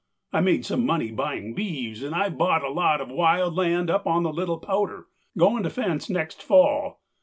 I made some money buying beeves, and I bought a lot of wild land up on the Little Powder. Going to fence next fall.